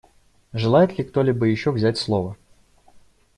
Желает ли кто-либо еще взять слово?